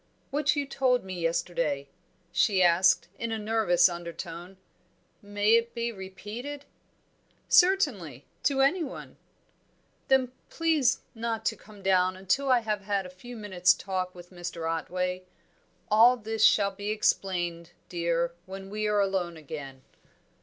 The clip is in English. "What you told me yesterday," she asked, in a nervous undertone, "may it be repeated?" "Certainly to anyone." "Then please not to come down until I have had a few minutes' talk with Mr. Otway. All this shall be explained, dear, when we are alone again."